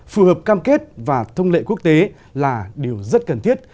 phù hợp cam kết và thông lệ quốc tế là điều rất cần thiết